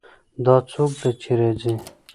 دا څوک ده چې راځي